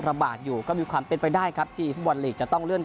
ระบาดอยู่ก็มีความเป็นไปได้ครับที่ฟุตบอลลีกจะต้องเลื่อน